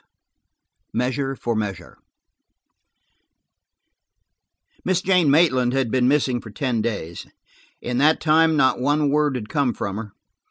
CHAPTER XXV MEASURE FOR MEASURE MISS JANE MAITLAND had been missing for ten days. In that time, not one word had come from her.